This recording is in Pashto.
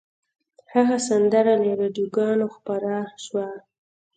هغه سندره له راډیوګانو خپره شوه